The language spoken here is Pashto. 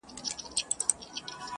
مرگ موش دئ نوم پر ايښى دهقانانو!!